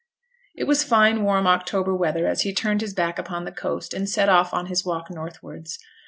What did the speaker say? It was fine, warm October weather as he turned his back upon the coast, and set off on his walk northwards.